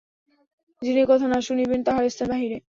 যিনি এ-কথা না শুনিবেন, তাঁহার স্থান বাহিরে।